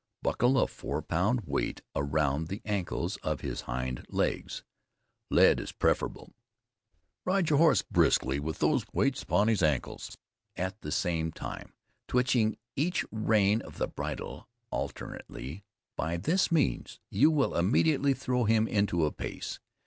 Buckle a four pound weight around the ancles of his hind legs, (lead is preferable) ride your horse briskly with those weights upon his ancles, at the same time, twitching each rein of the bridle alternately, by this means you will immediately throw him into a pace.